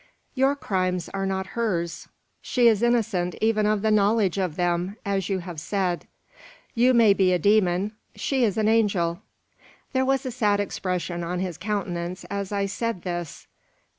"Your crimes are not hers. She is innocent even of the knowledge of them, as you have said. You may be a demon; she is an angel." There was a sad expression on his countenance as I said this.